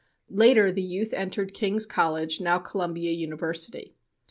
Later, the youth entered King's College, now Columbia University.